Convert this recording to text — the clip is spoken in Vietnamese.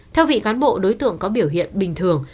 theo vị cán bộ đối tượng có biểu hiện bình thường